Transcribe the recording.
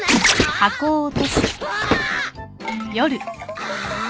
ああ。